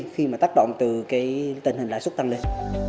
khi mà tác động từ cái tình hình nợ xấu tăng lên